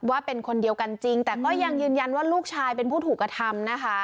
ว่าเป็นคนเดียวกันจริงแต่ก็ยังยืนยันว่าลูกชายเป็นผู้ถูกกระทำนะคะ